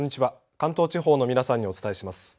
関東地方の皆さんにお伝えします。